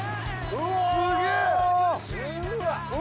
うわすげえ。